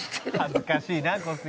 「恥ずかしいな小杉」